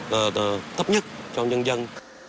chúng tôi thấp nhất cho nhân dân